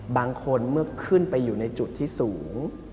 บางคนเมื่อขึ้นไปอยู่ในจุดที่สูง